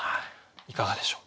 いかがでしょう？